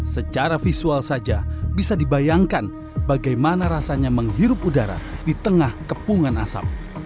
secara visual saja bisa dibayangkan bagaimana rasanya menghirup udara di tengah kepungan asap